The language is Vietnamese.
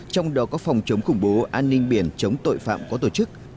trong đó có phòng chống khủng bố an ninh biển chống tội phạm có tổ chức